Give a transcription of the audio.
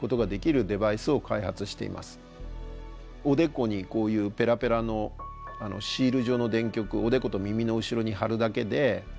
おでこにこういうペラペラのシール状の電極をおでこと耳の後ろに貼るだけで脳波が測れるわけですね。